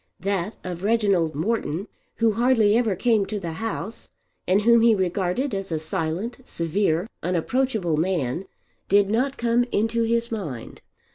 That of Reginald Morton, who hardly ever came to the house and whom he regarded as a silent, severe, unapproachable man, did not come into his mind.